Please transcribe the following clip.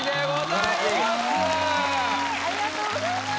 ありがとうございます！